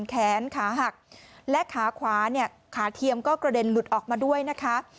แขนขาหักและขาขวาเนี่ยขาเทียมก็กระเด็นหลุดออกมาด้วยนะคะ